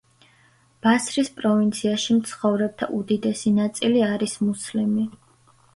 ბასრის პროვინციაში მცხოვრებთა უდიდესი ნაწილი არის მუსლიმი.